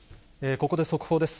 ここで速報です。